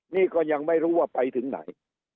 นี่ก็ยังไม่รู้ว่าไปถึงไหน